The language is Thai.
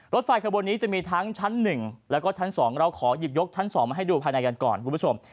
รถไฟคาร์โบนนี้จะมีทั้งชั้นหนึ่งแล้วก็ชั้นสองเราขอยิบยกชั้นสองมาให้ดูภายในกันก่อนคุณผู้ชม